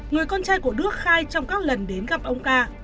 người con trai của đức khai trong các lần đến gặp ông ca